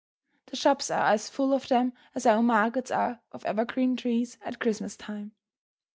The shops are as full of them as our markets are of evergreen trees at Christmas time.